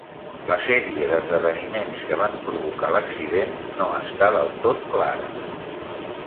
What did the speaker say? La sèrie d'esdeveniments que van provocar l'accident no està del tot clara.